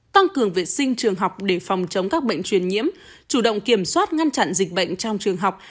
tăng cường vệ sinh trường học để phòng chống các bệnh truyền nhiễm chủ động kiểm soát ngăn chặn dịch bệnh trong trường học